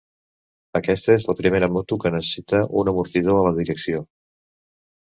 Aquesta es la primera moto que necessita un amortidor a la direcció.